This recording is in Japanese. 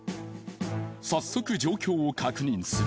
早速状況を確認する。